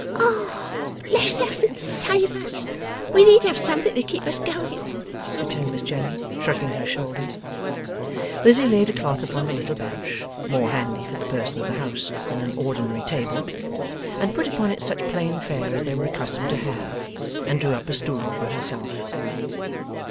'Ah! bless us and save us, we need have something to keep us going,' returned Miss Jenny, shrugging her shoulders. Lizzie laid a cloth upon the little bench (more handy for the person of the house than an ordinary table), and put upon it such plain fare as they were accustomed to have, and drew up a stool for herself.